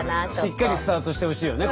しっかりスタートしてほしいよね